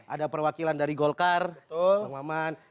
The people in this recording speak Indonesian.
ada perwakilan dari golkar bang maman